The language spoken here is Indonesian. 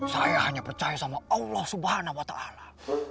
saya hanya percaya sama allah subhanahu wa ta'ala